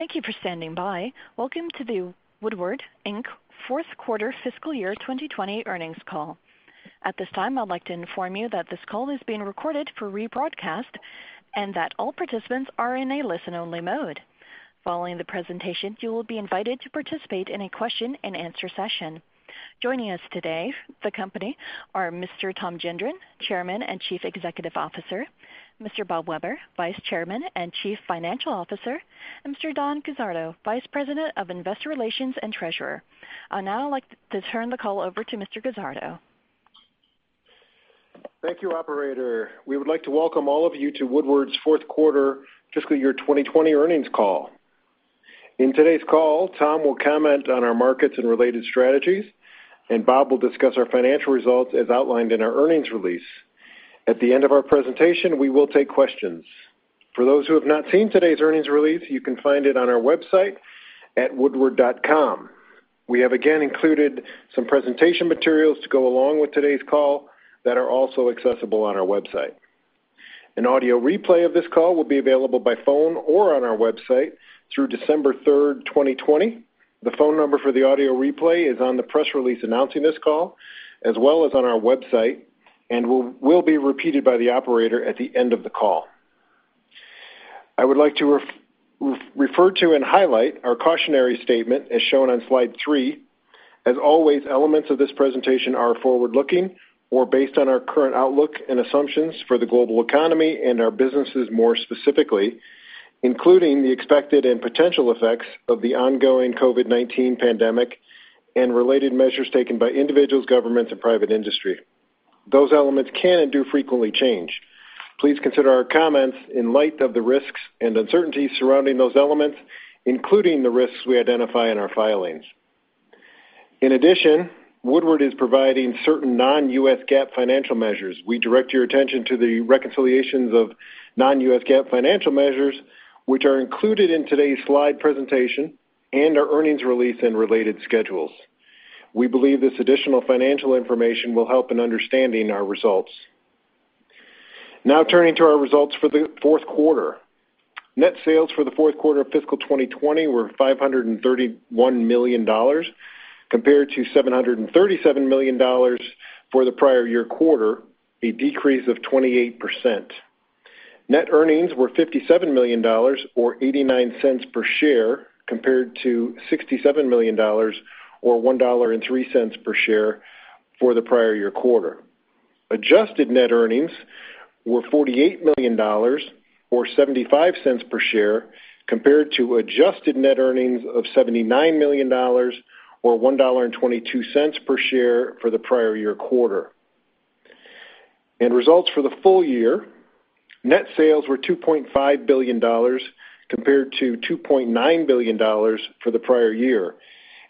Thank you for standing by. Welcome to the Woodward, Inc. Fourth Quarter Fiscal Year 2020 Earnings Call. At this time, I'd like to inform you that this call is being recorded for rebroadcast and that all participants are in a listen-only mode. Following the presentation, you will be invited to participate in a question and answer session. Joining us today, the company, are Mr. Tom Gendron, Chairman and Chief Executive Officer, Mr. Bob Weber, Vice Chairman and Chief Financial Officer, and Mr. Don Guzzardo, Vice President of Investor Relations and Treasurer. I'd now like to turn the call over to Mr. Guzzardo. Thank you, operator. We would like to welcome all of you to Woodward's Fourth Quarter Fiscal Year 2020 Earnings Call. In today's call, Tom will comment on our markets and related strategies, and Bob will discuss our financial results as outlined in our earnings release. At the end of our presentation, we will take questions. For those who have not seen today's earnings release, you can find it on our website at woodward.com. We have again included some presentation materials to go along with today's call that are also accessible on our website. An audio replay of this call will be available by phone or on our website through December 3rd, 2020. The phone number for the audio replay is on the press release announcing this call, as well as on our website, and will be repeated by the operator at the end of the call. I would like to refer to and highlight our cautionary statement as shown on slide three. As always, elements of this presentation are forward-looking or based on our current outlook and assumptions for the global economy and our businesses more specifically, including the expected and potential effects of the ongoing COVID-19 pandemic and related measures taken by individuals, governments, and private industry. Those elements can and do frequently change. Please consider our comments in light of the risks and uncertainties surrounding those elements, including the risks we identify in our filings. In addition, Woodward is providing certain non-US GAAP financial measures. We direct your attention to the reconciliations of non-US GAAP financial measures, which are included in today's slide presentation and our earnings release and related schedules. We believe this additional financial information will help in understanding our results. Now turning to our results for the fourth quarter. Net sales for the fourth quarter of fiscal 2020 were $531 million compared to $737 million for the prior year quarter, a decrease of 28%. Net earnings were $57 million, or $0.89 per share, compared to $67 million, or $1.03 per share, for the prior year quarter. Adjusted net earnings were $48 million or $0.75 per share compared to adjusted net earnings of $79 million or $1.22 per share for the prior year quarter. Results for the full year, net sales were $2.5 billion compared to $2.9 billion for the prior year,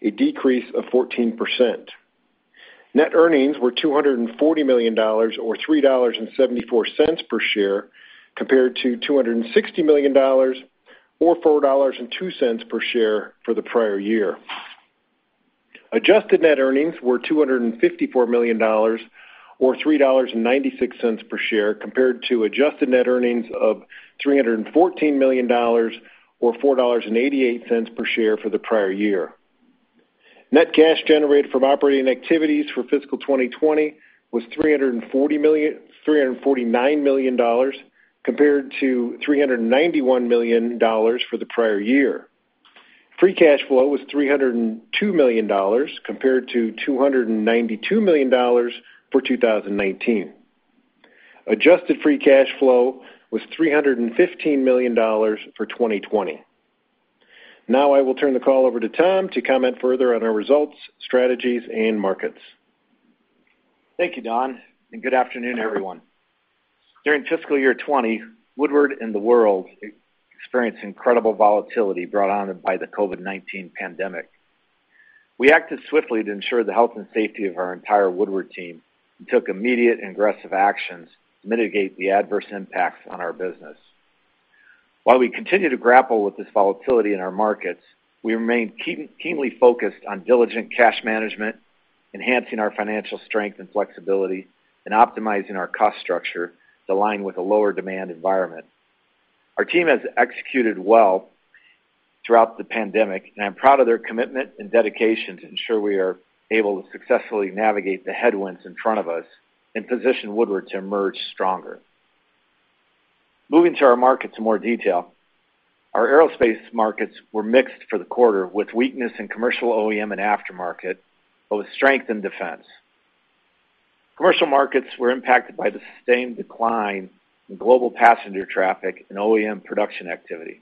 a decrease of 14%. Net earnings were $240 million or $3.74 per share compared to $260 million or $4.02 per share for the prior year. Adjusted net earnings were $254 million or $3.96 per share compared to adjusted net earnings of $314 million or $4.88 per share for the prior year. Net cash generated from operating activities for fiscal 2020 was $349 million compared to $391 million for the prior year. Free cash flow was $302 million compared to $292 million for 2019. Adjusted free cash flow was $315 million for 2020. Now I will turn the call over to Tom to comment further on our results, strategies, and markets. Thank you, Don. Good afternoon, everyone. During fiscal year 2020, Woodward and the world experienced incredible volatility brought on by the COVID-19 pandemic. We acted swiftly to ensure the health and safety of our entire Woodward team and took immediate and aggressive actions to mitigate the adverse impacts on our business. While we continue to grapple with this volatility in our markets, we remain keenly focused on diligent cash management, enhancing our financial strength and flexibility, and optimizing our cost structure to align with a lower demand environment. Our team has executed well throughout the pandemic. I'm proud of their commitment and dedication to ensure we are able to successfully navigate the headwinds in front of us and position Woodward to emerge stronger. Moving to our markets in more detail. Our aerospace markets were mixed for the quarter with weakness in commercial OEM and aftermarket, but with strength in defense. Commercial markets were impacted by the sustained decline in global passenger traffic and OEM production activity.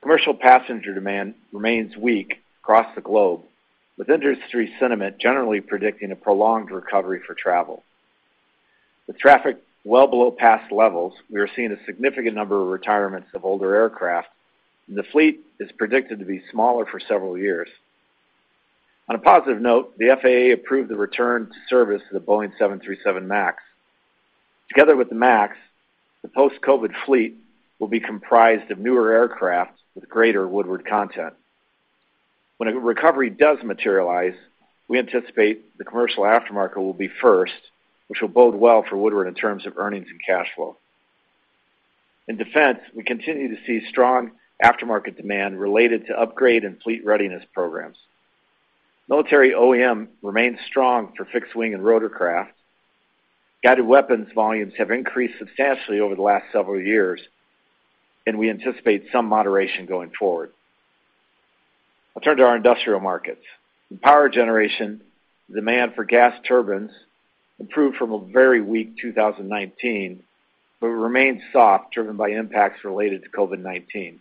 Commercial passenger demand remains weak across the globe, with industry sentiment generally predicting a prolonged recovery for travel. With traffic well below past levels, we are seeing a significant number of retirements of older aircraft, and the fleet is predicted to be smaller for several years. On a positive note, the FAA approved the return to service of the Boeing 737 MAX. Together with the MAX, the post-COVID-19 fleet will be comprised of newer aircraft with greater Woodward content. When a recovery does materialize, we anticipate the commercial aftermarket will be first, which will bode well for Woodward in terms of earnings and cash flow. In defense, we continue to see strong aftermarket demand related to upgrade and fleet readiness programs. Military OEM remains strong for fixed wing and rotorcraft. Guided weapons volumes have increased substantially over the last several years, and we anticipate some moderation going forward. I'll turn to our industrial markets. In power generation, demand for gas turbines improved from a very weak 2019, but remained soft, driven by impacts related to COVID-19.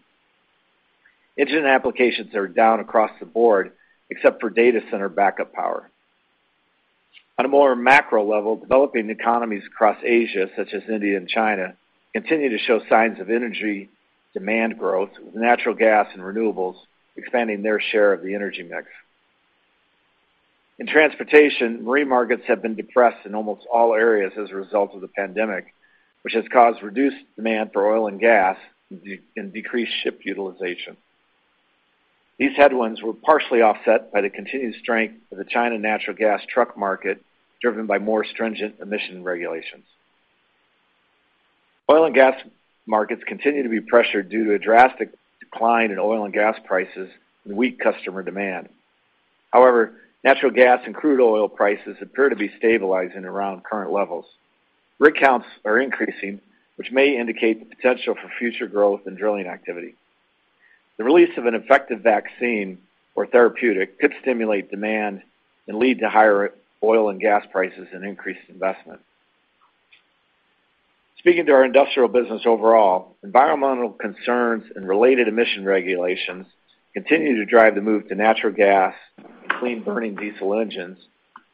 Engine applications are down across the board, except for data center backup power. On a more macro level, developing economies across Asia, such as India and China, continue to show signs of energy demand growth, with natural gas and renewables expanding their share of the energy mix. In transportation, marine markets have been depressed in almost all areas as a result of the pandemic, which has caused reduced demand for oil and gas, and decreased ship utilization. These headwinds were partially offset by the continued strength of the China natural gas truck market, driven by more stringent emission regulations. Oil and gas markets continue to be pressured due to a drastic decline in oil and gas prices and weak customer demand. However, natural gas and crude oil prices appear to be stabilizing around current levels. Rig counts are increasing, which may indicate the potential for future growth in drilling activity. The release of an effective vaccine or therapeutic could stimulate demand and lead to higher oil and gas prices and increased investment. Speaking to our industrial business overall, environmental concerns and related emission regulations continue to drive the move to natural gas and clean-burning diesel engines,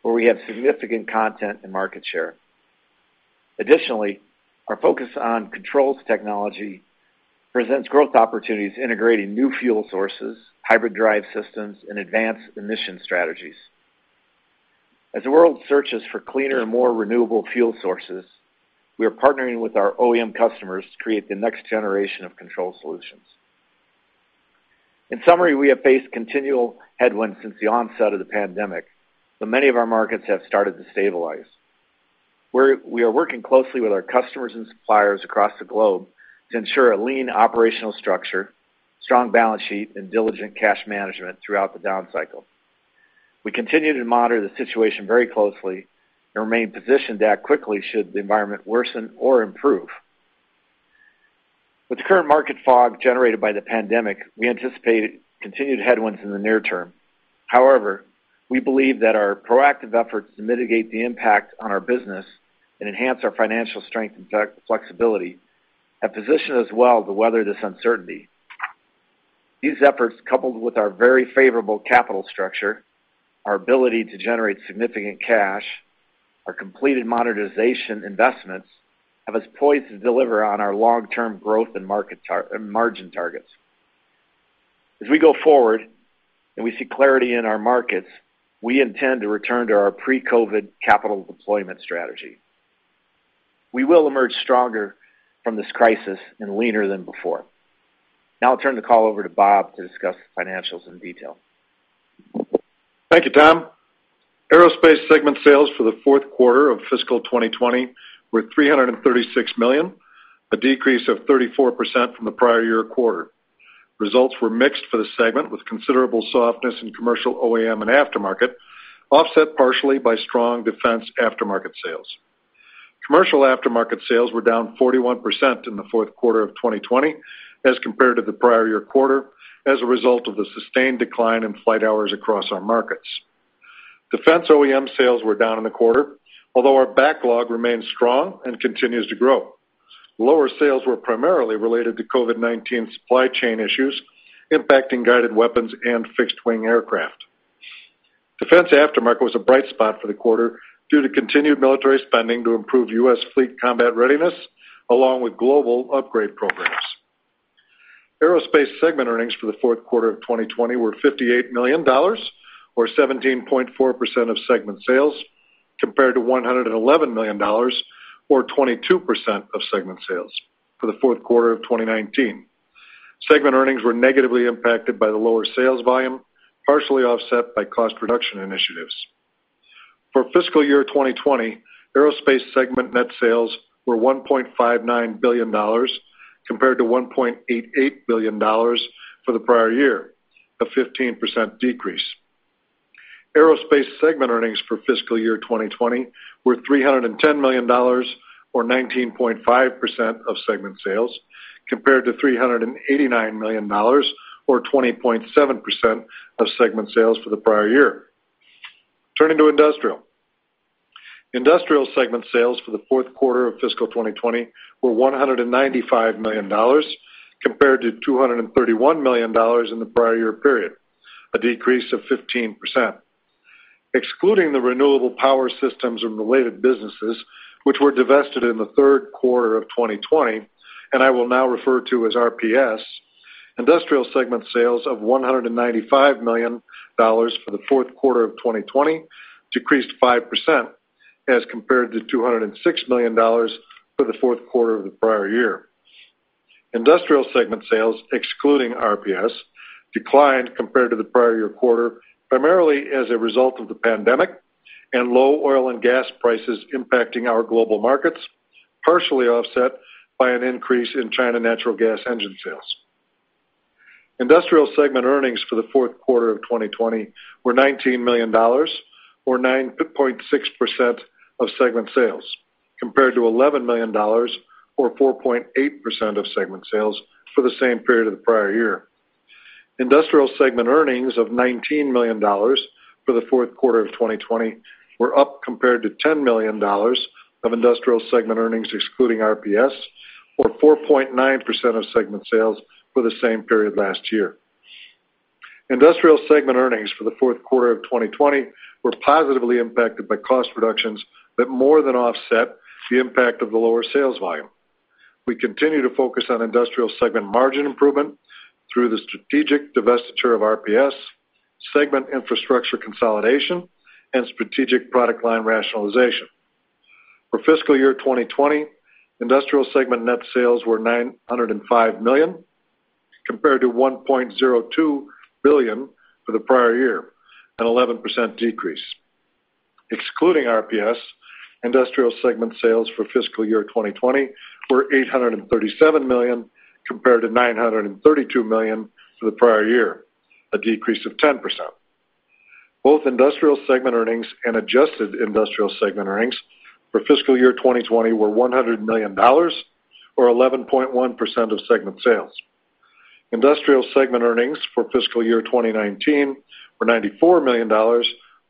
where we have significant content and market share. Additionally, our focus on controls technology presents growth opportunities integrating new fuel sources, hybrid drive systems, and advanced emission strategies. As the world searches for cleaner, more renewable fuel sources, we are partnering with our OEM customers to create the next generation of control solutions. In summary, we have faced continual headwinds since the onset of the pandemic, but many of our markets have started to stabilize. We are working closely with our customers and suppliers across the globe to ensure a lean operational structure, strong balance sheet, and diligent cash management throughout the down cycle. We continue to monitor the situation very closely and remain positioned to act quickly should the environment worsen or improve. With the current market fog generated by the pandemic, we anticipate continued headwinds in the near term. However, we believe that our proactive efforts to mitigate the impact on our business and enhance our financial strength and flexibility have positioned us well to weather this uncertainty. These efforts, coupled with our very favorable capital structure, our ability to generate significant cash, our completed monetization investments, have us poised to deliver on our long-term growth and margin targets. As we go forward and we see clarity in our markets, we intend to return to our pre-COVID-19 capital deployment strategy. We will emerge stronger from this crisis and leaner than before. Now I'll turn the call over to Bob to discuss financials in detail. Thank you, Tom. Aerospace segment sales for the fourth quarter of fiscal 2020 were $336 million, a decrease of 34% from the prior year quarter. Results were mixed for the segment, with considerable softness in commercial OEM and aftermarket, offset partially by strong defense aftermarket sales. Commercial aftermarket sales were down 41% in the fourth quarter of 2020 as compared to the prior year quarter, as a result of the sustained decline in flight hours across our markets. Defense OEM sales were down in the quarter, although our backlog remains strong and continues to grow. Lower sales were primarily related to COVID-19 supply chain issues, impacting guided weapons and fixed-wing aircraft. Defense aftermarket was a bright spot for the quarter, due to continued military spending to improve U.S. fleet combat readiness, along with global upgrade programs. Aerospace Segment earnings for the fourth quarter of 2020 were $58 million, or 17.4% of Segment sales, compared to $111 million, or 22% of Segment sales for the fourth quarter of 2019. Segment earnings were negatively impacted by the lower sales volume, partially offset by cost reduction initiatives. For fiscal year 2020, Aerospace Segment net sales were $1.59 billion compared to $1.88 billion for the prior year, a 15% decrease. Aerospace Segment earnings for fiscal year 2020 were $310 million, or 19.5% of Segment sales, compared to $389 million or 20.7% of Segment sales for the prior year. Turning to Industrial. Industrial Segment sales for the fourth quarter of fiscal 2020 were $195 million compared to $231 million in the prior year period, a decrease of 15%. Excluding the renewable power systems and related businesses, which were divested in the third quarter of 2020, and I will now refer to as RPS, industrial segment sales of $195 million for the fourth quarter of 2020 decreased 5%, as compared to $206 million for the fourth quarter of the prior year. Industrial segment sales, excluding RPS, declined compared to the prior year quarter, primarily as a result of the pandemic and low oil and gas prices impacting our global markets, partially offset by an increase in China natural gas engine sales. Industrial segment earnings for the fourth quarter of 2020 were $19 million, or 9.6% of segment sales, compared to $11 million, or 4.8% of segment sales for the same period of the prior year. Industrial segment earnings of $19 million for the fourth quarter of 2020 were up compared to $10 million of industrial segment earnings excluding RPS, or 4.9% of segment sales for the same period last year. Industrial segment earnings for the fourth quarter of 2020 were positively impacted by cost reductions that more than offset the impact of the lower sales volume. We continue to focus on industrial segment margin improvement through the strategic divestiture of RPS, segment infrastructure consolidation, and strategic product line rationalization. For fiscal year 2020, industrial segment net sales were $905 million, compared to $1.02 billion for the prior year, an 11% decrease. Excluding RPS, industrial segment sales for fiscal year 2020 were $837 million, compared to $932 million for the prior year, a decrease of 10%. Both industrial segment earnings and adjusted industrial segment earnings for fiscal year 2020 were $100 million, or 11.1% of segment sales. Industrial segment earnings for fiscal year 2019 were $94 million,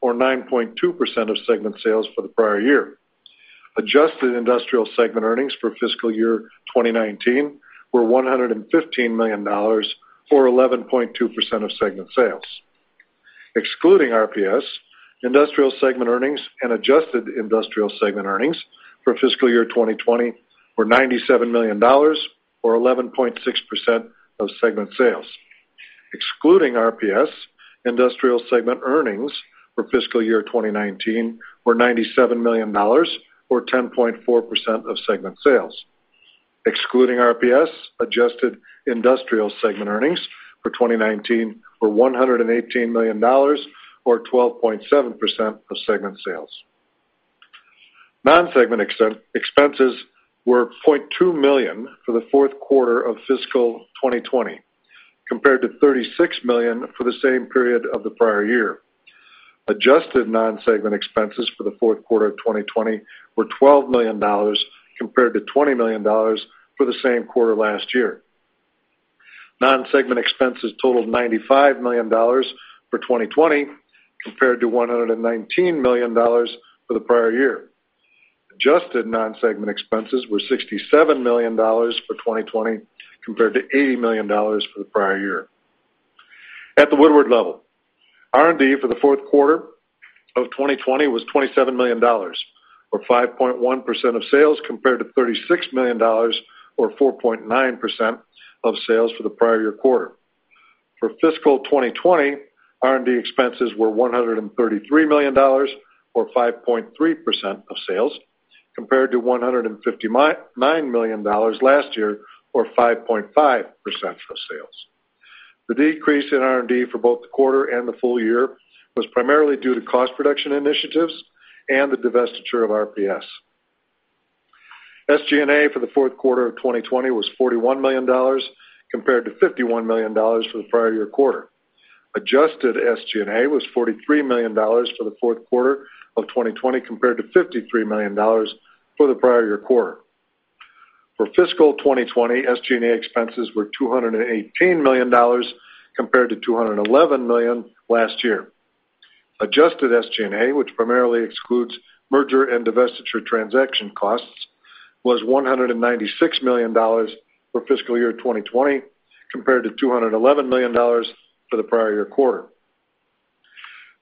or 9.2% of segment sales for the prior year. Adjusted industrial segment earnings for fiscal year 2019 were $115 million, or 11.2% of segment sales. Excluding RPS, industrial segment earnings and adjusted industrial segment earnings for fiscal year 2020 were $97 million, or 11.6% of segment sales. Excluding RPS, industrial segment earnings for fiscal year 2019 were $97 million, or 10.4% of segment sales. Excluding RPS, adjusted industrial segment earnings for 2019 were $118 million, or 12.7% of segment sales. Non-segment expenses were $0.2 million for the fourth quarter of fiscal 2020, compared to $36 million for the same period of the prior year. Adjusted non-segment expenses for the fourth quarter of 2020 were $12 million compared to $20 million for the same quarter last year. Non-segment expenses totaled $95 million for 2020 compared to $119 million for the prior year. Adjusted non-segment expenses were $67 million for 2020 compared to $80 million for the prior year. At the Woodward level, R&D for the fourth quarter of 2020 was $27 million, or 5.1% of sales compared to $36 million, or 4.9% of sales for the prior year quarter. For fiscal 2020, R&D expenses were $133 million, or 5.3% of sales, compared to $159 million last year, or 5.5% of sales. The decrease in R&D for both the quarter and the full year was primarily due to cost reduction initiatives and the divestiture of RPS. SG&A for the fourth quarter of 2020 was $41 million compared to $51 million for the prior year quarter. Adjusted SG&A was $43 million for the fourth quarter of 2020 compared to $53 million for the prior year quarter. For fiscal 2020, SG&A expenses were $218 million compared to $211 million last year. Adjusted SG&A, which primarily excludes merger and divestiture transaction costs, was $196 million for fiscal year 2020 compared to $211 million for the prior year quarter.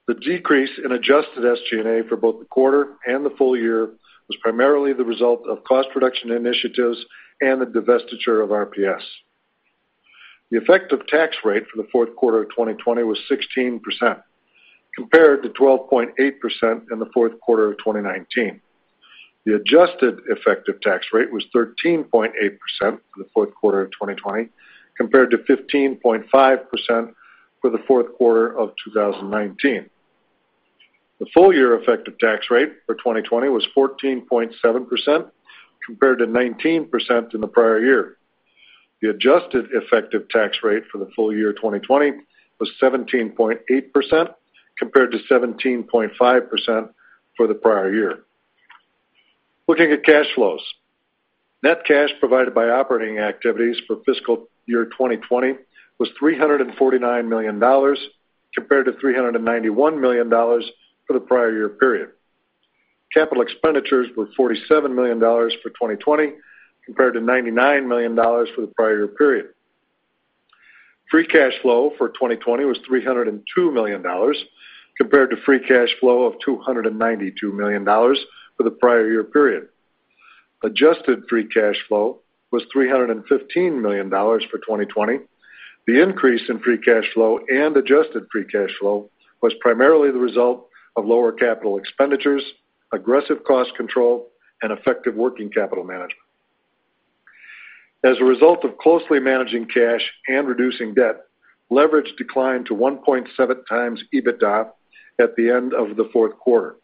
The decrease in adjusted SG&A for both the quarter and the full year was primarily the result of cost reduction initiatives and the divestiture of RPS. The effective tax rate for the fourth quarter of 2020 was 16%, compared to 12.8% in the fourth quarter of 2019. The adjusted effective tax rate was 13.8% for the fourth quarter of 2020 compared to 15.5% for the fourth quarter of 2019. The full year effective tax rate for 2020 was 14.7%, compared to 19% in the prior year. The adjusted effective tax rate for the full year 2020 was 17.8%, compared to 17.5% for the prior year. Looking at cash flows. Net cash provided by operating activities for fiscal year 2020 was $349 million compared to $391 million for the prior year period. Capital expenditures were $47 million for 2020 compared to $99 million for the prior year period. Free cash flow for 2020 was $302 million compared to free cash flow of $292 million for the prior year period. Adjusted free cash flow was $315 million for 2020. The increase in free cash flow and adjusted free cash flow was primarily the result of lower capital expenditures. Aggressive cost control and effective working capital management. As a result of closely managing cash and reducing debt, leverage declined to 1.7 times EBITDA at the end of the fourth quarter.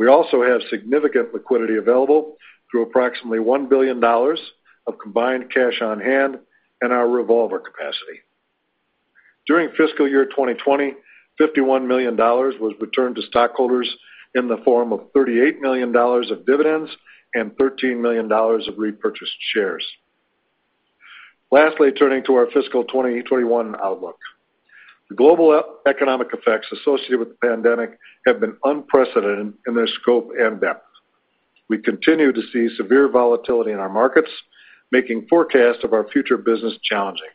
We also have significant liquidity available through approximately $1 billion of combined cash on hand and our revolver capacity. During fiscal year 2020, $51 million was returned to stockholders in the form of $38 million of dividends and $13 million of repurchased shares. Turning to our fiscal 2021 outlook. The global economic effects associated with the pandemic have been unprecedented in their scope and depth. We continue to see severe volatility in our markets, making forecasts of our future business challenging.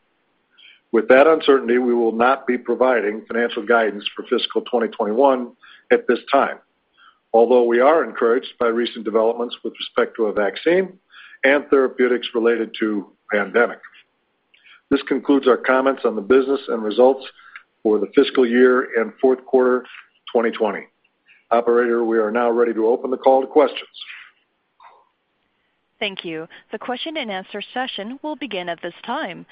With that uncertainty, we will not be providing financial guidance for fiscal 2021 at this time, although we are encouraged by recent developments with respect to a vaccine and therapeutics related to pandemic. This concludes our comments on the business and results for the fiscal year and fourth quarter 2020. Operator, we are now ready to open the call to questions. Thank you. The question and answer session will begin at this time.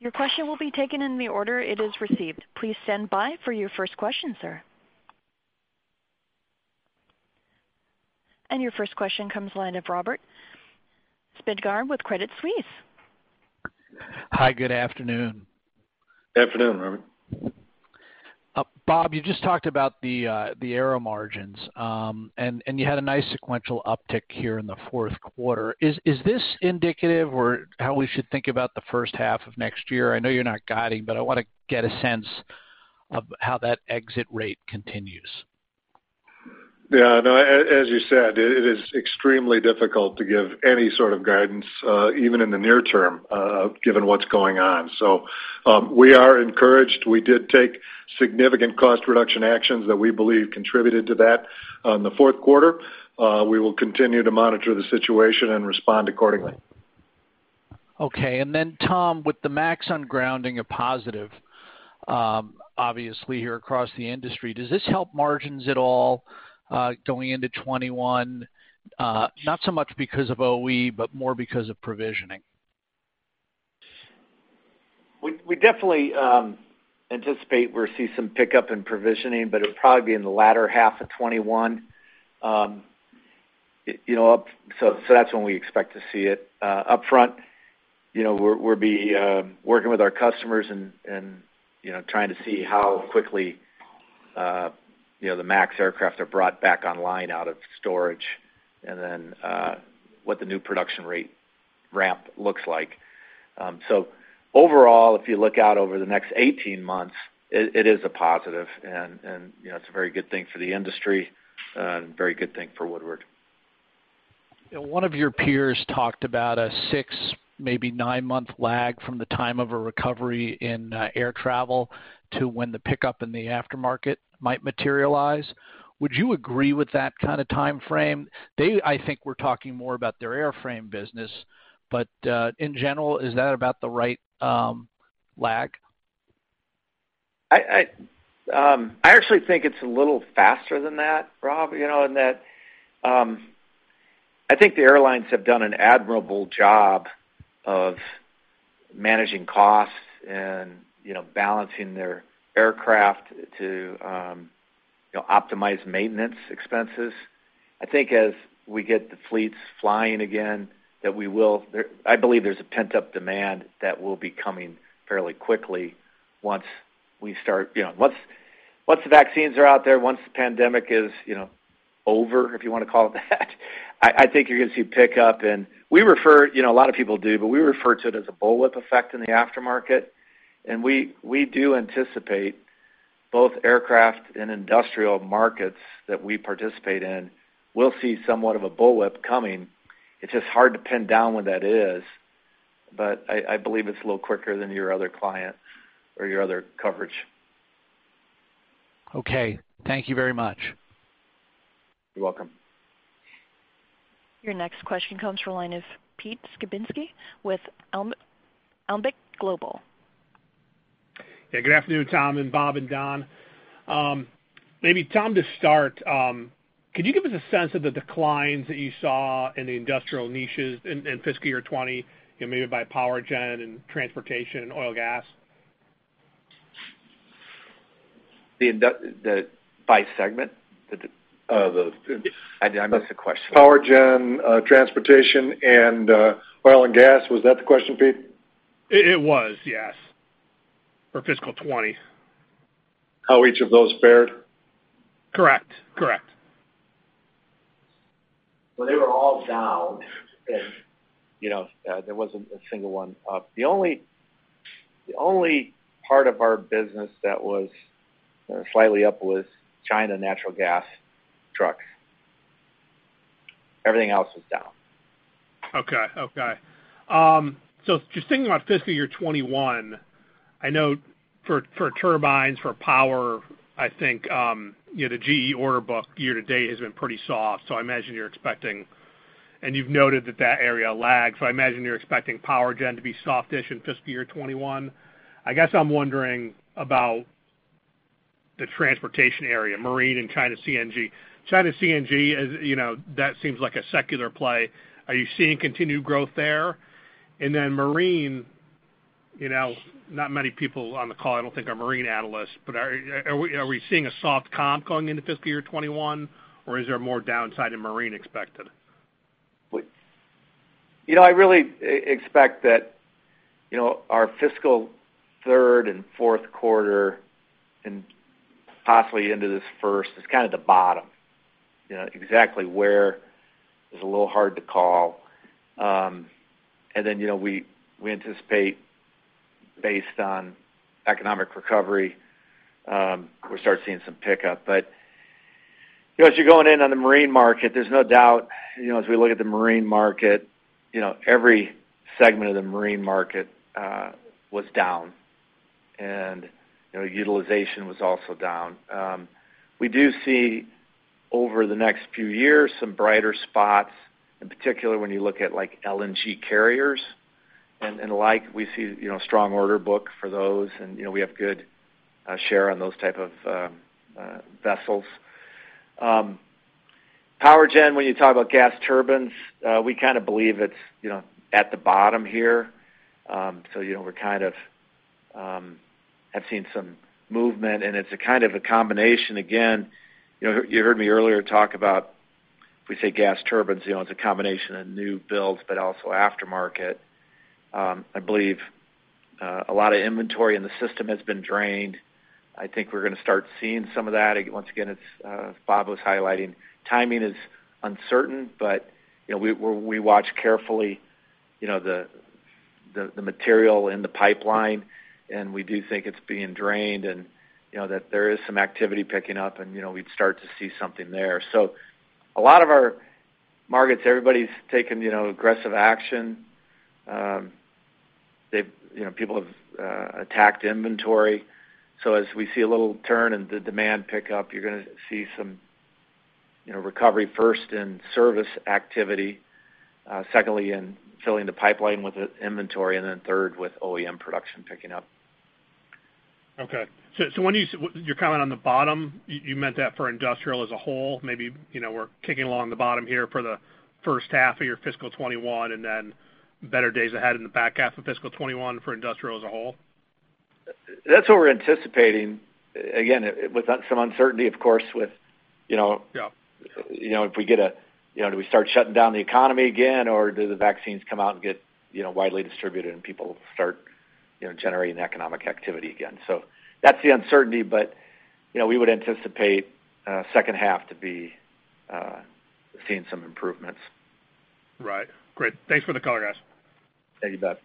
Your first question comes to the line of Robert Spingarn with Credit Suisse. Hi, good afternoon. Afternoon, Robert. Bob, you just talked about the aero margins, and you had a nice sequential uptick here in the fourth quarter. Is this indicative or how we should think about the first half of next year? I know you're not guiding, but I want to get a sense of how that exit rate continues. Yeah, no, as you said, it is extremely difficult to give any sort of guidance, even in the near term, given what's going on. We are encouraged. We did take significant cost reduction actions that we believe contributed to that on the fourth quarter. We will continue to monitor the situation and respond accordingly. Okay. Tom, with the MAX ungrounding a positive, obviously here across the industry, does this help margins at all going into 2021? Not so much because of OE, but more because of provisioning. We definitely anticipate we'll see some pickup in provisioning, but it'll probably be in the latter half of 2021. That's when we expect to see it. Upfront, we'll be working with our customers and trying to see how quickly the MAX aircraft are brought back online out of storage and then what the new production rate ramp looks like. Overall, if you look out over the next 18 months, it is a positive, and it's a very good thing for the industry and very good thing for Woodward. One of your peers talked about a six, maybe nine-month lag from the time of a recovery in air travel to when the pickup in the aftermarket might materialize. Would you agree with that kind of timeframe? They, I think, were talking more about their airframe business, but in general, is that about the right lag? I actually think it's a little faster than that, Rob. In that I think the airlines have done an admirable job of managing costs and balancing their aircraft to optimize maintenance expenses. I think as we get the fleets flying again, I believe there's a pent-up demand that will be coming fairly quickly once the vaccines are out there, once the pandemic is over, if you want to call it that. I think you're going to see pickup and a lot of people do, but we refer to it as a bullwhip effect in the aftermarket, and we do anticipate both aircraft and industrial markets that we participate in will see somewhat of a bullwhip coming. It's just hard to pin down when that is, but I believe it's a little quicker than your other client or your other coverage. Okay. Thank you very much. You're welcome. Your next question comes from the line of Pete Skibitski with Alembic Global Advisors. Yeah, good afternoon, Tom and Bob and Don. Maybe Tom to start, could you give us a sense of the declines that you saw in the industrial niches in fiscal year 2020, maybe by power gen and transportation and oil gas? By segment? I missed the question. Power gen, transportation, and oil and gas. Was that the question, Pete? It was, yes. For fiscal 2020. How each of those fared? Correct. Well, they were all down and there wasn't a single one up. The only part of our business that was slightly up was China natural gas trucks. Everything else was down. Okay. Just thinking about fiscal year 2021, I know for turbines, for power, I think, the GE order book year to date has been pretty soft. You've noted that that area lags, I imagine you're expecting power gen to be softish in fiscal year 2021. I guess I'm wondering about the transportation area, marine and China CNG. China CNG, that seems like a secular play. Are you seeing continued growth there? Marine, not many people on the call, I don't think, are marine analysts, are we seeing a soft comp going into fiscal year 2021, or is there more downside in marine expected? I really expect that our fiscal third and fourth quarter, and possibly into this first, is kind of the bottom. Exactly where is a little hard to call. Then we anticipate, based on economic recovery, we'll start seeing some pickup. As you're going in on the marine market, there's no doubt, as we look at the marine market, every segment of the marine market was down. Utilization was also down. We do see, over the next few years, some brighter spots, in particular when you look at LNG carriers and the like. We see strong order book for those, and we have good share on those type of vessels. Power gen, when you talk about gas turbines, we kind of believe it's at the bottom here. We kind of have seen some movement, and it's a kind of a combination. You heard me earlier talk about, if we say gas turbines, it's a combination of new builds, but also aftermarket. I believe a lot of inventory in the system has been drained. I think we're going to start seeing some of that. As Bob was highlighting, timing is uncertain, but we watch carefully the material in the pipeline, and we do think it's being drained and that there is some activity picking up and we'd start to see something there. A lot of our markets, everybody's taken aggressive action. People have attacked inventory. As we see a little turn in the demand pick up, you're going to see some recovery first in service activity, secondly in filling the pipeline with inventory, and then third with OEM production picking up. Okay. When you're commenting on the bottom, you meant that for industrial as a whole? Maybe we're kicking along the bottom here for the first half of your fiscal 2021, and then better days ahead in the back half of fiscal 2021 for industrial as a whole? That's what we're anticipating. Again, with some uncertainty, of course. Yeah. Do we start shutting down the economy again, or do the vaccines come out and get widely distributed and people start generating economic activity again? That's the uncertainty, but we would anticipate second half to be seeing some improvements. Right. Great. Thanks for the color, guys. Thank you, Pete.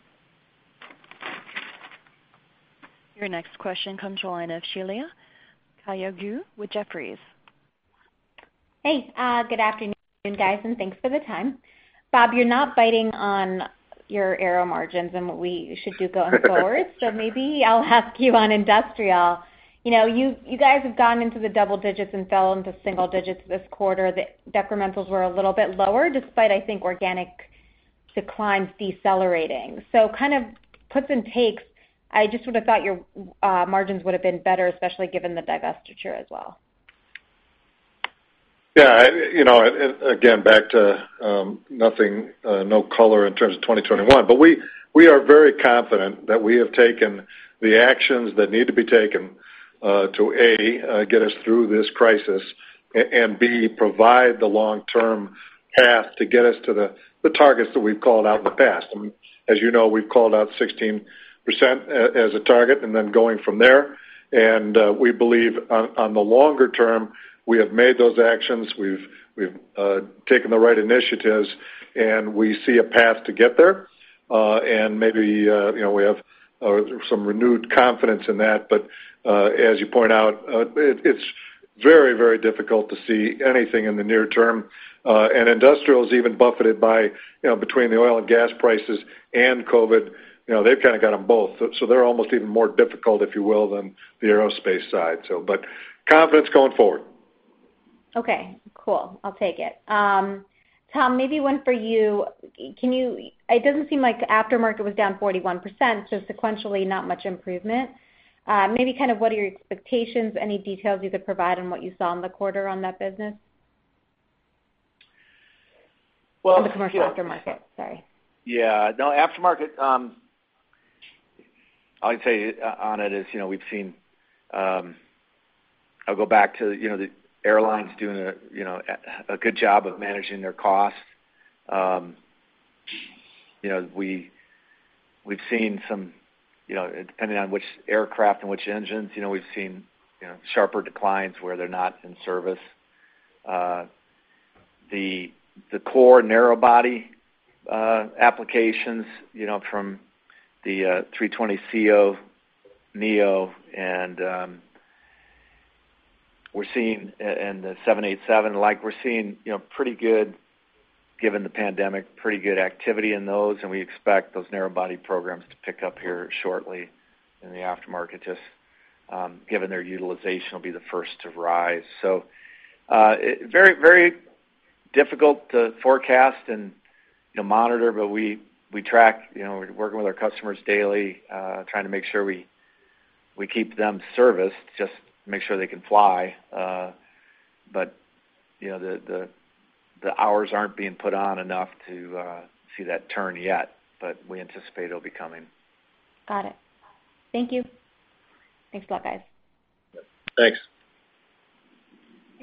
Your next question comes to the line of Sheila Kahyaoglu with Jefferies. Good afternoon, guys, and thanks for the time. Bob, you're not biting on your Aero margins and what we should do going forward. Maybe I'll ask you on Industrial. You guys have gone into the double digits and fell into single digits this quarter. The decremental were a little bit lower despite, I think, organic declines decelerating. Kind of puts and takes. I just would've thought your margins would've been better, especially given the divestiture as well. Yeah. Again, back to no color in terms of 2021. We are very confident that we have taken the actions that need to be taken to, A, get us through this crisis, and B, provide the long-term path to get us to the targets that we've called out in the past. As you know, we've called out 16% as a target, and then going from there. We believe on the longer term, we have made those actions, we've taken the right initiatives, and we see a path to get there. Maybe we have some renewed confidence in that. As you point out, it's very difficult to see anything in the near term. Industrial's even buffeted by between the oil and gas prices and COVID-19. They've kind of got them both. They're almost even more difficult, if you will, than the aerospace side. Confidence going forward. Okay. Cool. I'll take it. Tom, maybe one for you. It doesn't seem like aftermarket was down 41%, so sequentially, not much improvement. Maybe kind of what are your expectations? Any details you could provide on what you saw in the quarter on that business? Well- On the commercial aftermarket, sorry. Yeah. No, aftermarket, all I can say on it is I'll go back to the airlines doing a good job of managing their costs. Depending on which aircraft and which engines, we've seen sharper declines where they're not in service. The core narrow body applications from the A320ceo, A320neo, and we're seeing in the 787, given the pandemic, pretty good activity in those, and we expect those narrow body programs to pick up here shortly in the aftermarket, just given their utilization will be the first to rise. Very difficult to forecast and monitor, but we track, we're working with our customers daily, trying to make sure we keep them serviced, just make sure they can fly. The hours aren't being put on enough to see that turn yet, but we anticipate it'll be coming. Got it. Thank you. Thanks a lot, guys. Thanks.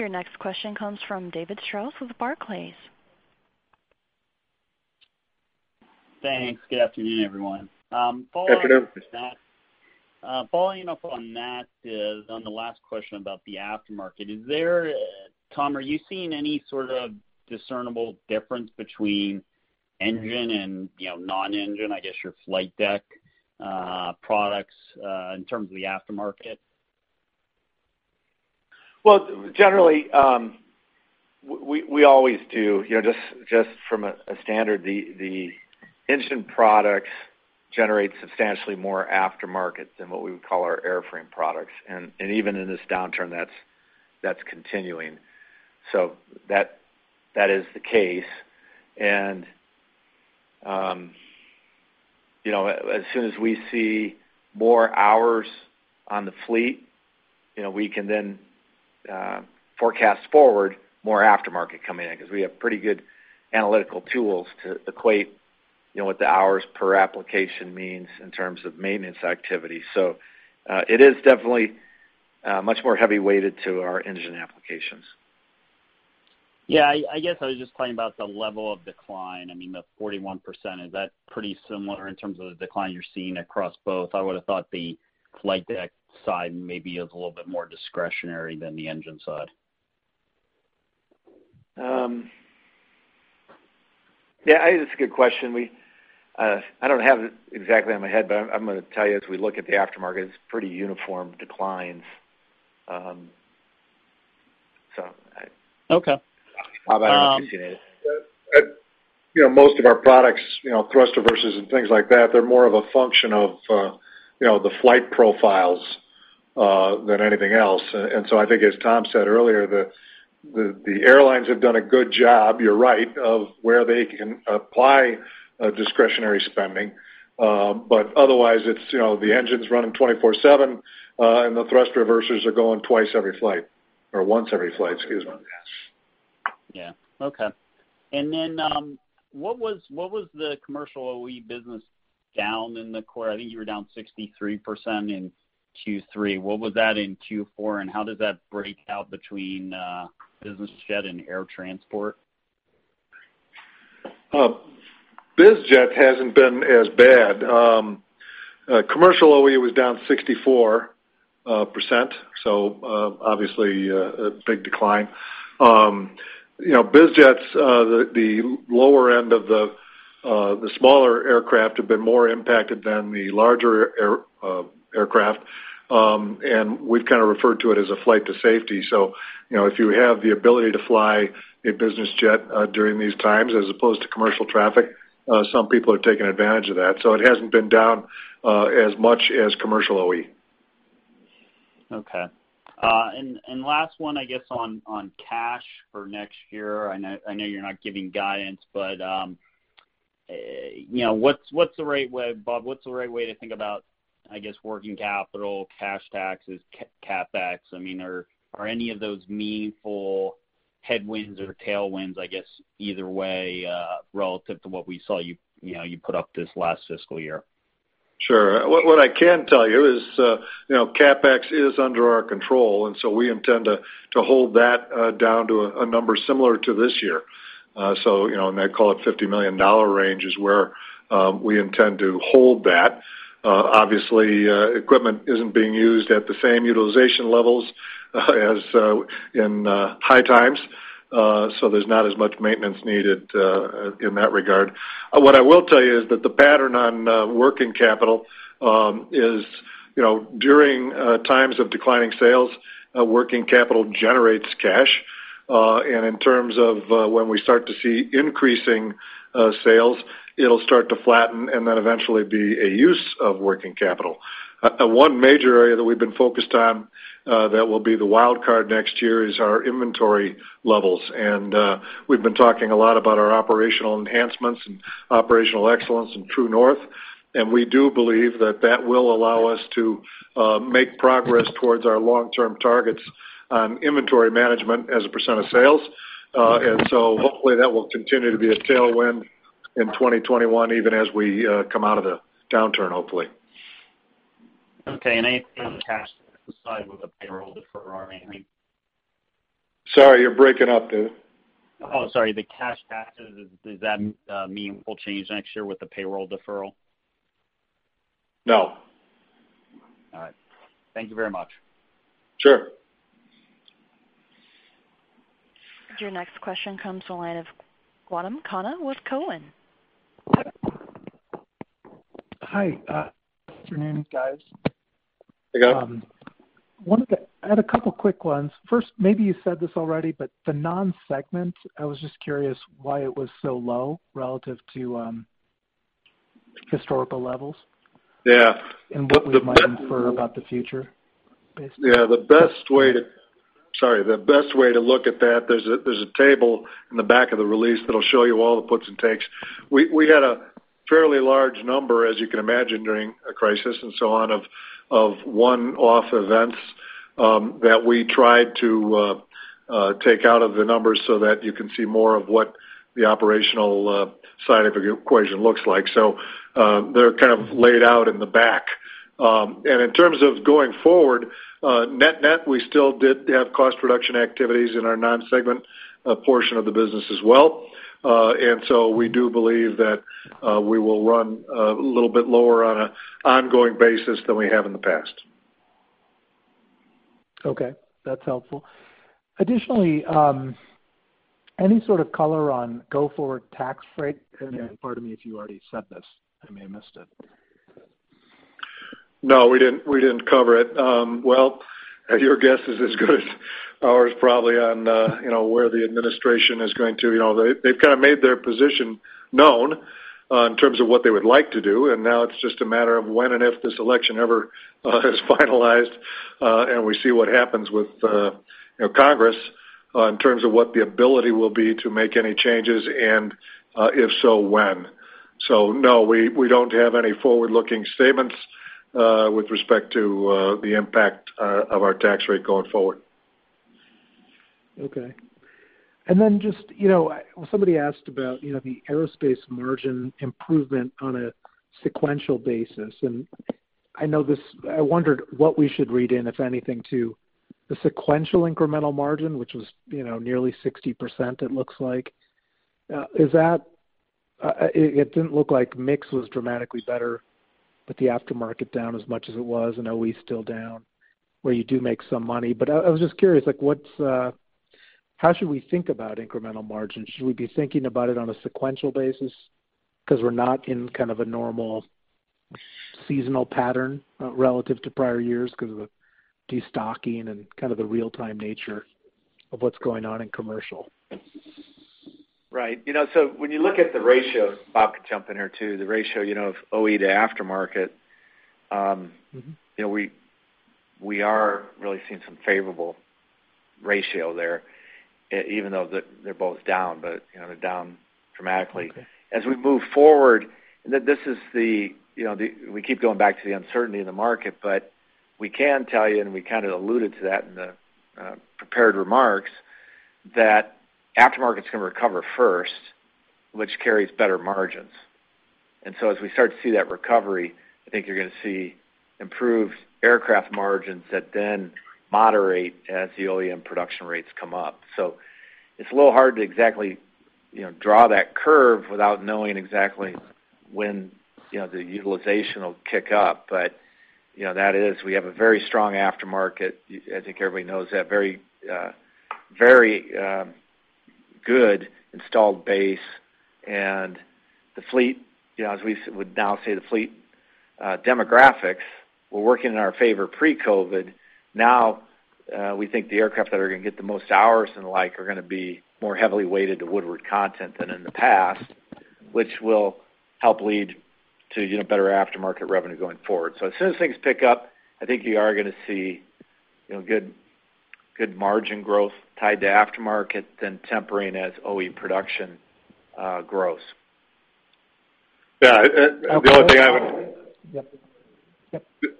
Your next question comes from David Strauss with Barclays. Thanks. Good afternoon, everyone. Good afternoon. Following up on that, on the last question about the aftermarket, Tom, are you seeing any sort of discernible difference between engine and non-engine, I guess your flight deck products, in terms of the aftermarket? Generally, we always do, just from a standard, the engine products generate substantially more aftermarket than what we would call our airframe products. Even in this downturn, that's continuing. That is the case, and as soon as we see more hours on the fleet, we can then forecast forward more aftermarket coming in, because we have pretty good analytical tools to equate what the hours per application means in terms of maintenance activity. It is definitely much more heavy-weighted to our engine applications. Yeah, I guess I was just planning about the level of decline. I mean, the 41%, is that pretty similar in terms of the decline you're seeing across both? I would've thought the flight deck side maybe is a little bit more discretionary than the engine side. Yeah, I think that's a good question. I don't have it exactly in my head, but I'm going to tell you as we look at the aftermarket, it's pretty uniform declines. Okay. Bob, I don't know if you've seen any. Most of our products, thrust reversers and things like that, they're more of a function of the flight profiles than anything else. I think as Tom said earlier, the airlines have done a good job, you're right, of where they can apply discretionary spending. Otherwise, the engine's running 24/7, and the thrust reversers are going twice every flight, or once every flight, excuse me. Yeah. Okay. What was the commercial OE business down in the quarter? I think you were down 63% in Q3. What was that in Q4, and how does that break out between business jet and air transport? Biz jet hasn't been as bad. Commercial OE was down 64%, so obviously, a big decline. Biz jets, the lower end of the smaller aircraft have been more impacted than the larger aircraft, and we've kind of referred to it as a flight to safety. If you have the ability to fly a business jet during these times, as opposed to commercial traffic, some people are taking advantage of that. It hasn't been down as much as commercial OE. Okay. Last one, I guess on cash for next year. I know you're not giving guidance, but what's the right way, Bob, to think about, I guess, working capital, cash taxes, CapEx? Are any of those meaningful headwinds or tailwinds, I guess either way, relative to what we saw you put up this last fiscal year? Sure. What I can tell you is CapEx is under our control, we intend to hold that down to a number similar to this year. I call it $50 million range is where we intend to hold that. Obviously, equipment isn't being used at the same utilization levels as in high times. There's not as much maintenance needed in that regard. What I will tell you is that the pattern on working capital is during times of declining sales, working capital generates cash. In terms of when we start to see increasing sales, it'll start to flatten, and then eventually be a use of working capital. One major area that we've been focused on, that will be the wildcard next year, is our inventory levels. We've been talking a lot about our operational enhancements and operational excellence in True North, and we do believe that that will allow us to make progress towards our long-term targets on inventory management as a % of sales. Hopefully, that will continue to be a tailwind in 2021, even as we come out of the downturn, hopefully. Okay. Anything on the cash side with the payroll deferral or anything? Sorry, you're breaking up, Dave. Oh, sorry. The cash taxes, does that mean we'll change next year with the payroll deferral? No. All right. Thank you very much. Sure. Your next question comes to the line of Gautam Khanna with Cowen. Hi. Afternoon, guys. Hey, guys. I had a couple quick ones. First, maybe you said this already, but the non-segment, I was just curious why it was so low relative to historical levels. Yeah. What we might infer about the future, basically. Yeah. The best way to look at that, there's a table in the back of the release that'll show you all the puts and takes. We had a fairly large number, as you can imagine, during a crisis and so on, of one-off events, that we tried to take out of the numbers so that you can see more of what the operational side of the equation looks like. They're kind of laid out in the back. In terms of going forward, net-net, we still did have cost reduction activities in our non-segment portion of the business as well. We do believe that we will run a little bit lower on an ongoing basis than we have in the past. Okay. That's helpful. Additionally, any sort of color on go forward tax rate? Pardon me if you already said this. I may have missed it. No, we didn't cover it. Well, your guess is as good as ours probably on where the administration is going to. They've kind of made their position known in terms of what they would like to do, now it's just a matter of when and if this election ever is finalized, and we see what happens with Congress in terms of what the ability will be to make any changes, and, if so, when. No, we don't have any forward-looking statements with respect to the impact of our tax rate going forward. Okay. Just, somebody asked about the aerospace margin improvement on a sequential basis. I wondered what we should read in, if anything, to the sequential incremental margin, which was nearly 60%, it looks like. It didn't look like mix was dramatically better, with the aftermarket down as much as it was and OE still down, where you do make some money. I was just curious, how should we think about incremental margins? Should we be thinking about it on a sequential basis? Because we're not in kind of a normal seasonal pattern relative to prior years because of the de-stocking and kind of the real-time nature of what's going on in commercial. Right. When you look at the ratios, Bob can jump in here, too, the ratio of OE to aftermarket. We are really seeing some favorable ratio there, even though they're both down, but they're down dramatically. Okay. As we move forward, we keep going back to the uncertainty in the market. We can tell you, and we kind of alluded to that in the prepared remarks, that aftermarket's going to recover first, which carries better margins. As we start to see that recovery, I think you're going to see improved aircraft margins that then moderate as the OEM production rates come up. It's a little hard to exactly draw that curve without knowing exactly when the utilization will kick up. We have a very strong aftermarket, I think everybody knows that. Very good installed base. The fleet, as we would now say, the fleet demographics were working in our favor pre-COVID. We think the aircraft that are going to get the most hours and the like are going to be more heavily weighted to Woodward content than in the past, which will help lead to better aftermarket revenue going forward. As soon as things pick up, I think you are going to see good margin growth tied to aftermarket, then tempering as OE production grows. Yeah. Okay.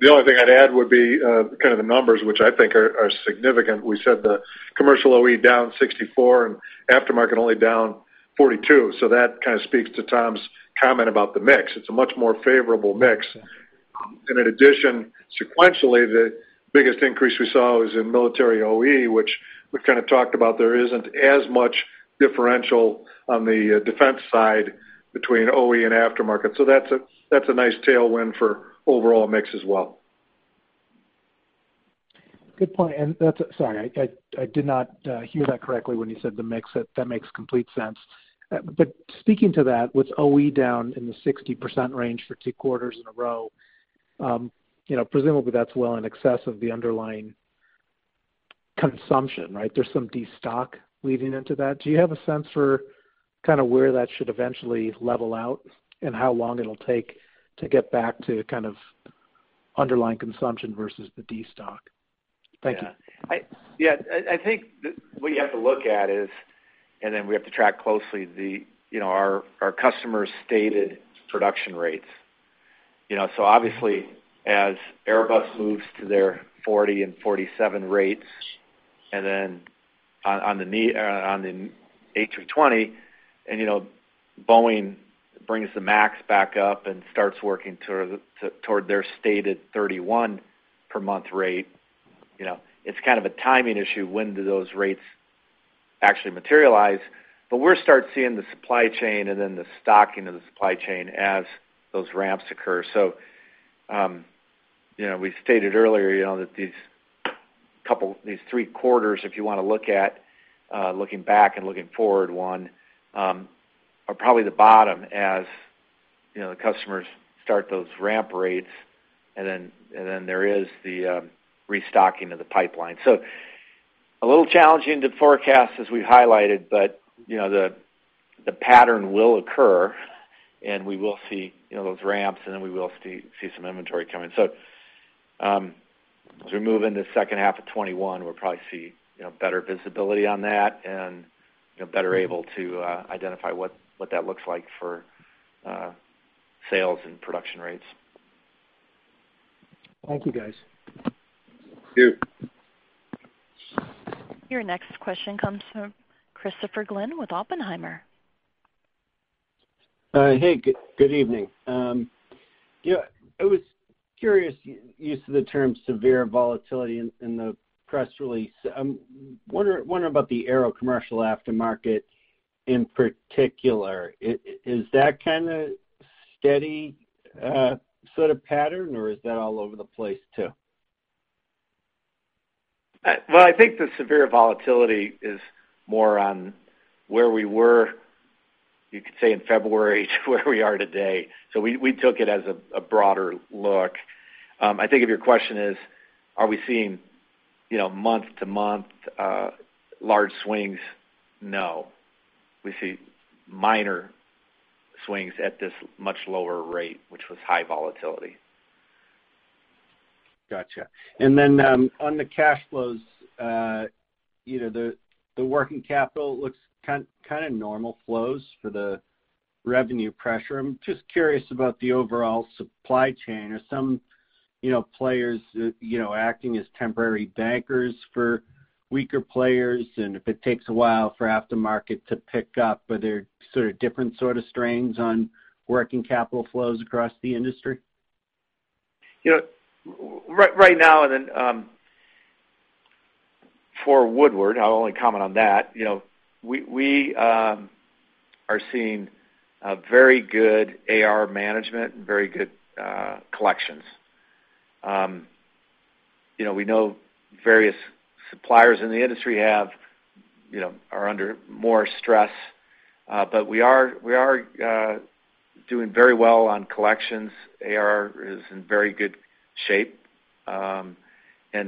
The only thing I'd add would be kind of the numbers, which I think are significant. We said the commercial OE down 64% and aftermarket only down 42%. That kind of speaks to Tom's comment about the mix. It's a much more favorable mix. In addition, sequentially, the biggest increase we saw was in military OE, which we kind of talked about. There isn't as much differential on the defense side between OE and aftermarket. That's a nice tailwind for overall mix as well. Good point. Sorry, I did not hear that correctly when you said the mix. That makes complete sense. Speaking to that, with OE down in the 60% range for two quarters in a row, presumably that's well in excess of the underlying consumption, right? There's some de-stock leading into that. Do you have a sense for kind of where that should eventually level out and how long it'll take to get back to kind of underlying consumption versus the de-stock? Thank you. Yeah. I think what you have to look at is, we have to track closely our customers' stated production rates. Obviously, as Airbus moves to their 40 and 47 rates, on the A320, Boeing brings the Max back up and starts working toward their stated 31 per month rate. It's kind of a timing issue, when do those rates actually materialize? We'll start seeing the supply chain the stocking of the supply chain as those ramps occur. We stated earlier that these couple, these three quarters, if you want to look at looking back and looking forward one, are probably the bottom as the customers start those ramp rates, there is the restocking of the pipeline. A little challenging to forecast as we highlighted, but the pattern will occur, and we will see those ramps, and then we will see some inventory coming. As we move into second half of 2021, we'll probably see better visibility on that and better able to identify what that looks like for sales and production rates. Thank you, guys. Thank you. Your next question comes from Christopher Glynn with Oppenheimer. Hey, good evening. I was curious, use of the term severe volatility in the press release. I'm wondering about the aero commercial aftermarket in particular. Is that kind of steady sort of pattern, or is that all over the place, too? Well, I think the severe volatility is more on where we were, you could say in February to where we are today. We took it as a broader look. I think if your question is, are we seeing month-to-month large swings? No. We see minor swings at this much lower rate, which was high volatility. Got you. On the cash flows, the working capital looks kind of normal flows for the revenue pressure. I'm just curious about the overall supply chain. Are some players acting as temporary bankers for weaker players, and if it takes a while for aftermarket to pick up, are there sort of different sort of strains on working capital flows across the industry? Right now, and then for Woodward, I'll only comment on that. We are seeing a very good AR management and very good collections. We know various suppliers in the industry are under more stress, but we are doing very well on collections. AR is in very good shape, and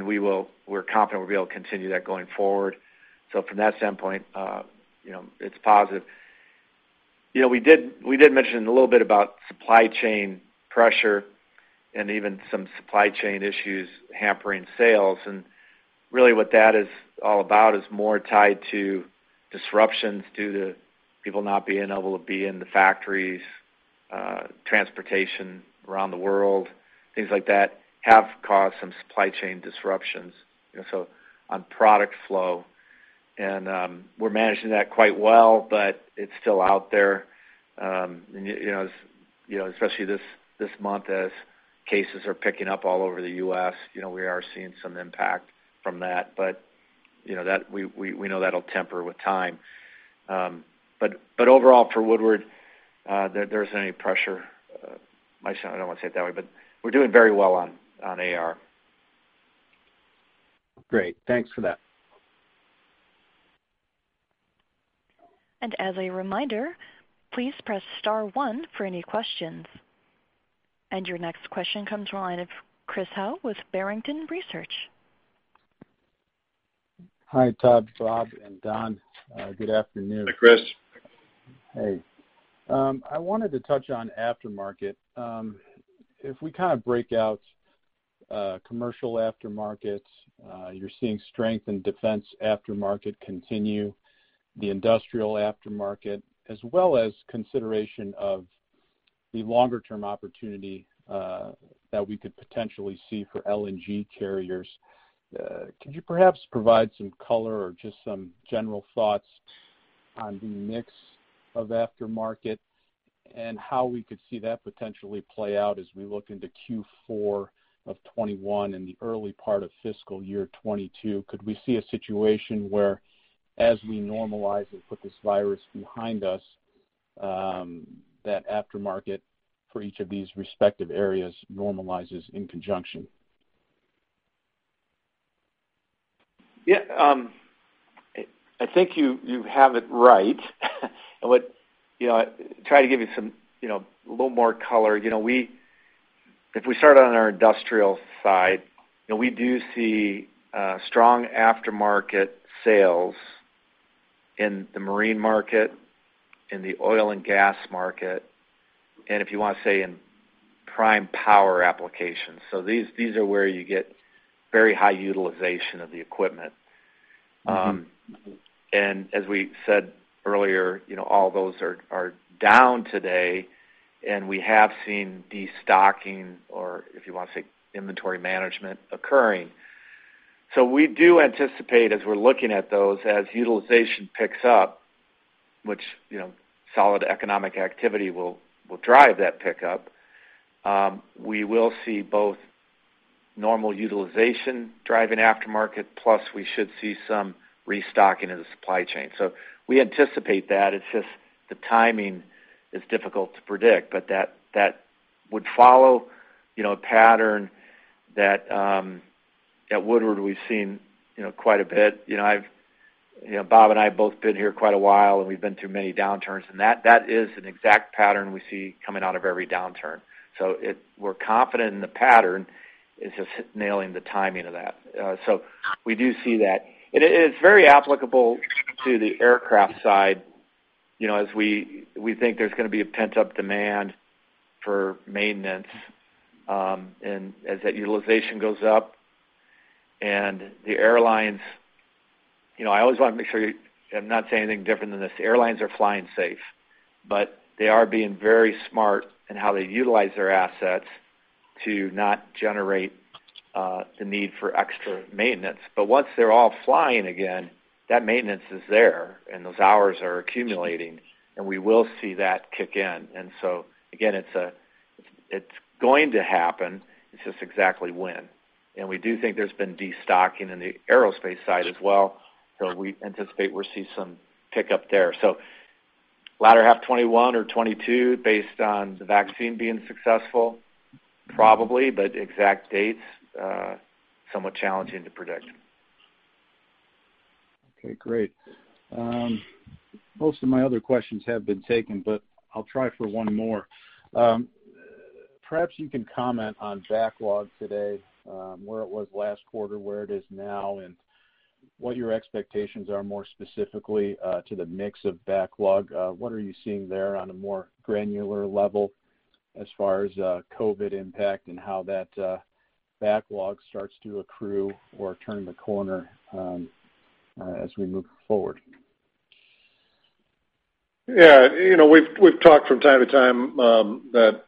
we're confident we'll be able to continue that going forward. From that standpoint it's positive. We did mention a little bit about supply chain pressure and even some supply chain issues hampering sales, and really what that is all about is more tied to disruptions due to people not being able to be in the factories, transportation around the world, things like that have caused some supply chain disruptions on product flow. We're managing that quite well, but it's still out there. Especially this month, as cases are picking up all over the U.S., we are seeing some impact from that. We know that'll temper with time. Overall for Woodward, there isn't any pressure. I don't want to say it that way, but we're doing very well on AR. Great. Thanks for that. As a reminder, please press star one for any questions. Your next question comes from the line of Chris Howe with Barrington Research. Hi, Tom, Bob, and Don. Good afternoon. Hi, Chris. Hey. I wanted to touch on aftermarket. If we kind of break out commercial aftermarkets, you're seeing strength in defense aftermarket continue, the industrial aftermarket, as well as consideration of the longer-term opportunity that we could potentially see for LNG carriers. Could you perhaps provide some color or just some general thoughts on the mix of aftermarket and how we could see that potentially play out as we look into Q4 of 2021 and the early part of fiscal year 2022? Could we see a situation where as we normalize and put this virus behind us, that aftermarket for each of these respective areas normalizes in conjunction? Yeah. I think you have it right. I'll try to give you a little more color. If we start on our industrial side, we do see strong aftermarket sales in the marine market, in the oil and gas market, and if you want, say, in prime power applications. These are where you get very high utilization of the equipment. As we said earlier all those are down today, and we have seen destocking, or if you want to say inventory management occurring. We do anticipate as we're looking at those, as utilization picks up, which solid economic activity will drive that pickup, we will see both normal utilization driving aftermarket, plus we should see some restocking of the supply chain. We anticipate that. It's just the timing is difficult to predict. That would follow a pattern that at Woodward we've seen quite a bit. Bob and I both been here quite a while, and we've been through many downturns, and that is an exact pattern we see coming out of every downturn. We're confident in the pattern, it's just nailing the timing of that. We do see that. It is very applicable to the aircraft side, as we think there's going to be a pent-up demand for maintenance. As that utilization goes up, and the airlines, I always want to make sure I'm not saying anything different than this. The airlines are flying safe, but they are being very smart in how they utilize their assets to not generate the need for extra maintenance. Once they're all flying again, that maintenance is there, and those hours are accumulating, and we will see that kick in. Again, it's going to happen, it's just exactly when. We do think there's been destocking in the aerospace side as well, so we anticipate we'll see some pickup there. Latter half 2021 or 2022 based on the vaccine being successful, probably, but exact dates, somewhat challenging to predict. Okay, great. Most of my other questions have been taken. I'll try for one more. Perhaps you can comment on backlog today, where it was last quarter, where it is now, and what your expectations are more specifically, to the mix of backlog. What are you seeing there on a more granular level as far as COVID impact and how that backlog starts to accrue or turn the corner as we move forward? Yeah. We've talked from time to time that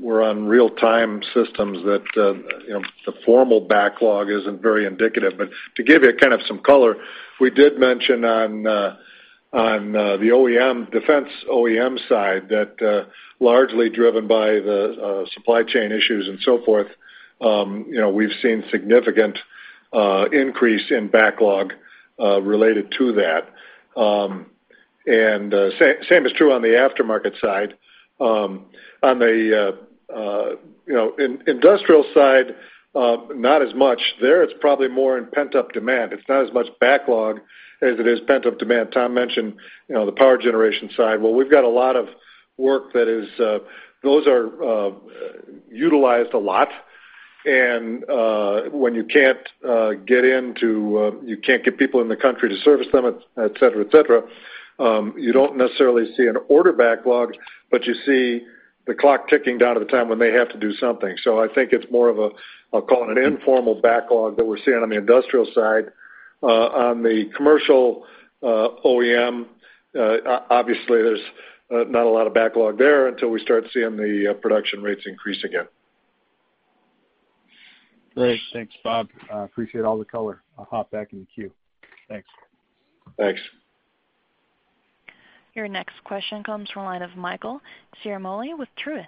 we're on real-time systems, that the formal backlog isn't very indicative. To give you kind of some color, we did mention on the defense OEM side that, largely driven by the supply chain issues and so forth, we've seen significant increase in backlog related to that. Same is true on the aftermarket side. On the industrial side, not as much. There, it's probably more in pent-up demand. It's not as much backlog as it is pent-up demand. Tom mentioned the power generation side. Well, we've got a lot of work that those are utilized a lot. When you can't get people in the country to service them, et cetera, you don't necessarily see an order backlog, but you see the clock ticking down to the time when they have to do something. I think it's more of a, I'll call it an informal backlog that we're seeing on the industrial side. On the commercial OEM, obviously there's not a lot of backlog there until we start seeing the production rates increase again. Great. Thanks, Bob. I appreciate all the color. I'll hop back in the queue. Thanks. Thanks. Your next question comes from the line of Michael Ciarmoli with Truist.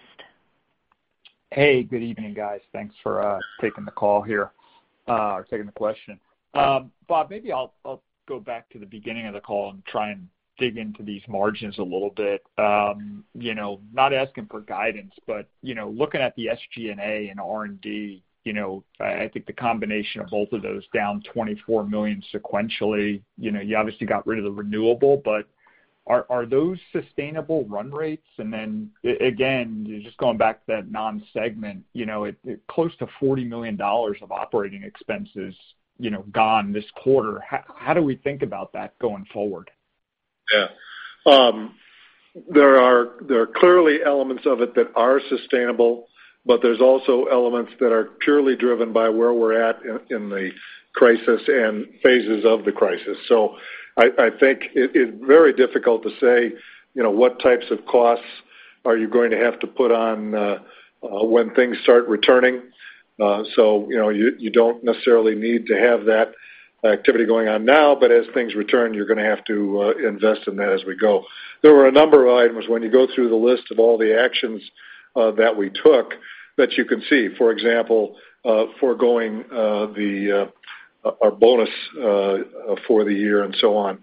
Hey, good evening, guys. Thanks for taking the call here, or taking the question. Bob, maybe I'll go back to the beginning of the call and try and dig into these margins a little bit. Not asking for guidance, but looking at the SG&A and R&D, I think the combination of both of those down $24 million sequentially, you obviously got rid of the renewable, but are those sustainable run rates? Then again, just going back to that non-segment, close to $40 million of operating expenses gone this quarter. How do we think about that going forward? There are clearly elements of it that are sustainable, but there's also elements that are purely driven by where we're at in the crisis and phases of the crisis. I think it's very difficult to say what types of costs are you going to have to put on when things start returning. You don't necessarily need to have that activity going on now, but as things return, you're going to have to invest in that as we go. There were a number of items when you go through the list of all the actions that we took that you can see. For example, foregoing our bonus for the year and so on.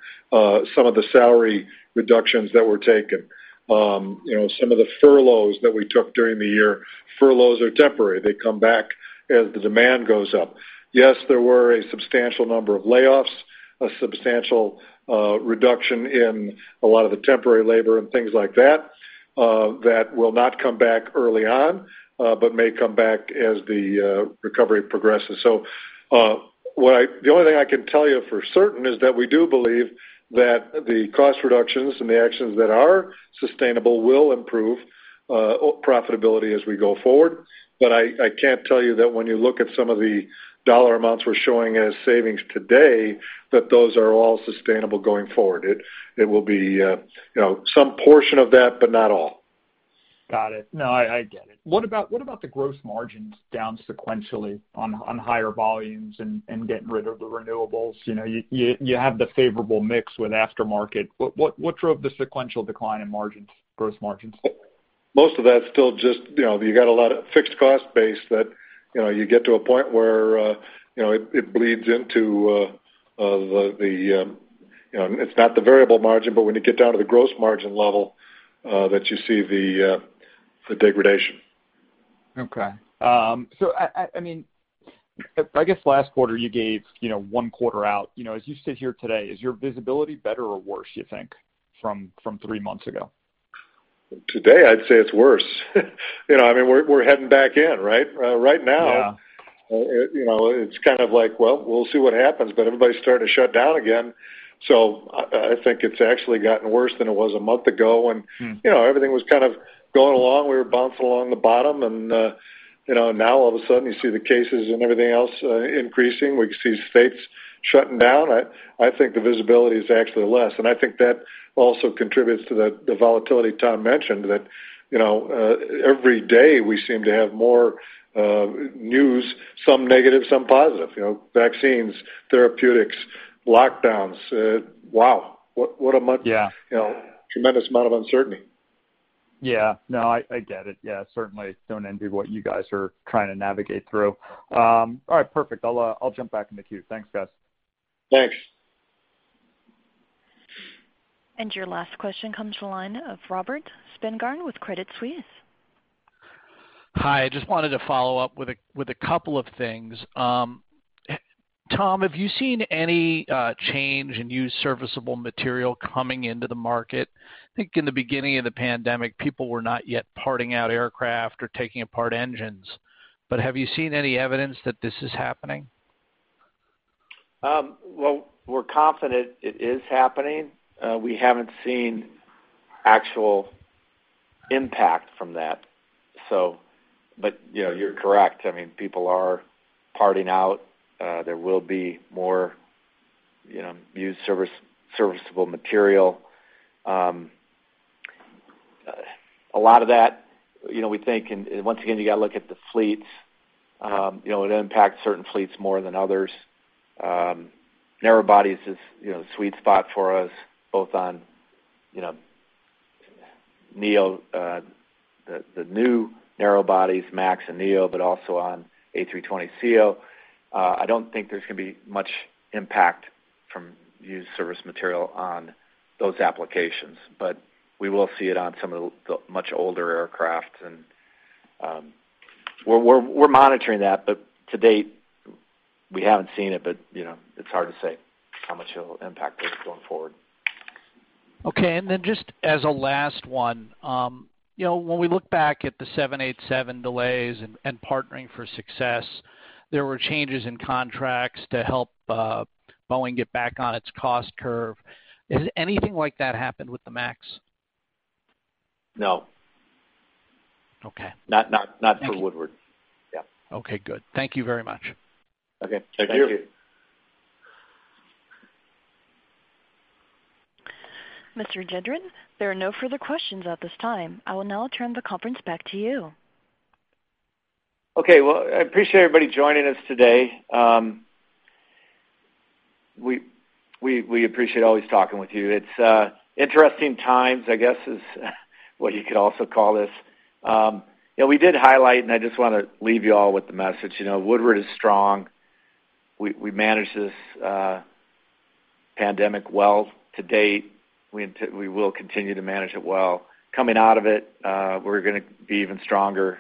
Some of the salary reductions that were taken. Some of the furloughs that we took during the year. Furloughs are temporary. They come back as the demand goes up. Yes, there were a substantial number of layoffs, a substantial reduction in a lot of the temporary labor and things like that will not come back early on, but may come back as the recovery progresses. The only thing I can tell you for certain is that we do believe that the cost reductions and the actions that are sustainable will improve profitability as we go forward. I can't tell you that when you look at some of the dollar amounts we're showing as savings today, that those are all sustainable going forward. It will be some portion of that, but not all. Got it. No, I get it. What about the gross margins down sequentially on higher volumes and getting rid of the renewables? You have the favorable mix with aftermarket. What drove the sequential decline in gross margins? Most of that's still just, you got a lot of fixed cost base that you get to a point where it bleeds into It's not the variable margin, but when you get down to the gross margin level, that you see the degradation. Okay. I guess last quarter you gave one quarter out. As you sit here today, is your visibility better or worse, you think, from three months ago? Today, I'd say it's worse. We're heading back in, right? Yeah. it's kind of like, well, we'll see what happens, but everybody's starting to shut down again. I think it's actually gotten worse than it was a month ago. Everything was kind of going along. We were bouncing along the bottom and now all of a sudden, you see the cases and everything else increasing. We see states shutting down. I think the visibility is actually less, and I think that also contributes to the volatility Tom mentioned, that every day, we seem to have more news, some negative, some positive. Vaccines, therapeutics, lockdowns. Yeah. tremendous amount of uncertainty. No, I get it. Certainly don't envy what you guys are trying to navigate through. All right, perfect. I'll jump back in the queue. Thanks, guys. Thanks. Your last question comes from the line of Robert Spingarn with Credit Suisse. Hi, just wanted to follow up with a couple of things. Tom, have you seen any change in used serviceable material coming into the market? I think in the beginning of the pandemic, people were not yet parting out aircraft or taking apart engines. Have you seen any evidence that this is happening? Well, we're confident it is happening. We haven't seen actual impact from that. You're correct. People are parting out. There will be more used serviceable material. A lot of that, we think, once again, you got to look at the fleets. It impacts certain fleets more than others. Narrow bodies is a sweet spot for us, both on the new narrow bodies, MAX and Neo, but also on A320ceo. I don't think there's going to be much impact from used service material on those applications, but we will see it on some of the much older aircraft. We're monitoring that, but to date, we haven't seen it, but it's hard to say how much it'll impact us going forward. Okay, just as a last one. When we look back at the 787 delays and Partnering for Success, there were changes in contracts to help Boeing get back on its cost curve. Has anything like that happened with the MAX? No. Okay. Not for Woodward. Yeah. Okay, good. Thank you very much. Okay. Thank you. Thank you. Mr. Gendron, there are no further questions at this time. I will now turn the conference back to you. Okay, well, I appreciate everybody joining us today. We appreciate always talking with you. It's interesting times, I guess is what you could also call this. We did highlight, and I just want to leave you all with the message, Woodward is strong. We managed this pandemic well to date. We will continue to manage it well. Coming out of it, we're going to be even stronger,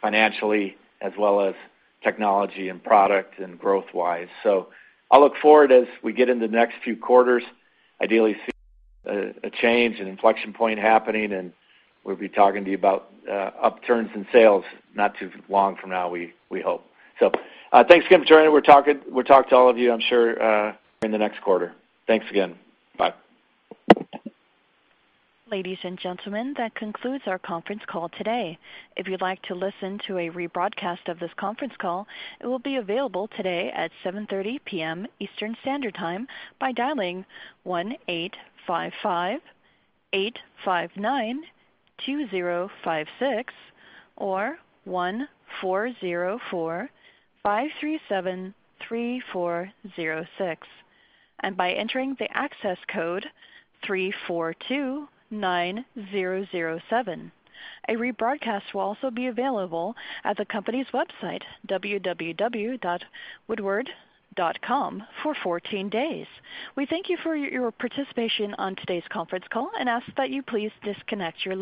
financially as well as technology and product and growth-wise. I'll look forward as we get in the next few quarters, ideally see a change, an inflection point happening, and we'll be talking to you about upturns in sales not too long from now, we hope. Thanks again for joining. We'll talk to all of you, I'm sure, in the next quarter. Thanks again. Bye. Ladies and gentlemen, that concludes our conference call today. If you'd like to listen to a rebroadcast of this conference call, it will be available today at seven thirty PM Eastern Standard Time by dialing 1-855-859-2056 or 1-404-537-3406, and by entering the access code three four two nine zero zero seven. A rebroadcast will also be available at the company's website, www.woodward.com, for 14 days. We thank you for your participation on today's conference call and ask that you please disconnect your lines.